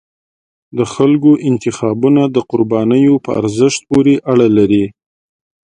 د خلکو انتخابونه د قربانیو په ارزښت پورې اړه لري